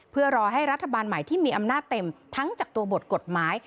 เพื่อรอให้รัฐบาลใหม่ที่มีอำนาจเต็มทั้งจากตัวบทกฎหมาย